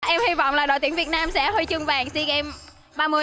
em hy vọng là đội tuyển việt nam sẽ hơi chưng vàng sea games